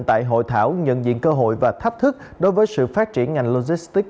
tại hội thảo nhận diện cơ hội và thách thức đối với sự phát triển ngành logistics